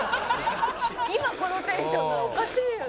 「今このテンションなのおかしいよね」